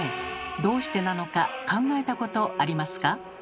どうしてなのか考えたことありますか？